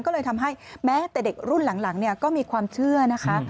ก็เลยทำให้แม้แต่เด็กรุ่นหลังก็มีความเชื่อนะคะ